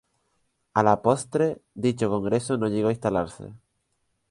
A la postre, dicho Congreso no llegó a instalarse.